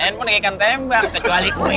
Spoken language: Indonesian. handphone kayak ikan tembak kecuali gue